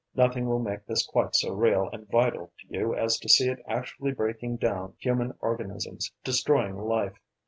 Nothing will make this quite so real and vital to you as to see it actually breaking down human organisms, destroying life.